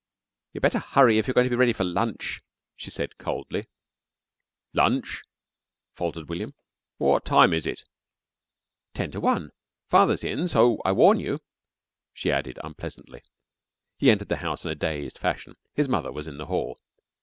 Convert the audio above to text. "You'd better hurry if you're going to be ready for lunch," she said coldly. "Lunch?" faltered William. "What time is it?" "Ten to one. Father's in, so I warn you," she added unpleasantly. He entered the house in a dazed fashion. His mother was in the hall.